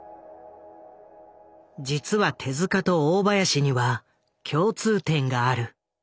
実は手と大林には共通点がある。